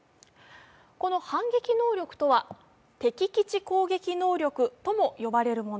この反撃能力とは、敵基地攻撃能力とも呼ばれるもの。